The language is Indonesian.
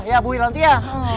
ya bui nanti ya